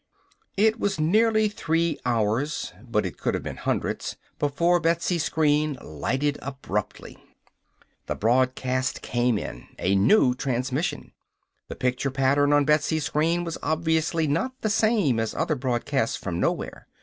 It was nearly three hours but it could have been hundreds before Betsy's screen lighted abruptly. The broadcast came in; a new transmission. The picture pattern on Betsy's screen was obviously not the same as other broadcasts from nowhere.